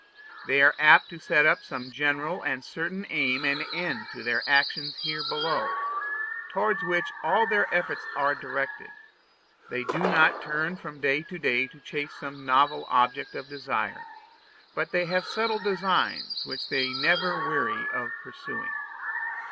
They are apt to set up some general and certain aim and end to their actions here below, towards which all their efforts are directed: they do not turn from day to day to chase some novel object of desire, but they have settled designs which they are never weary of pursuing.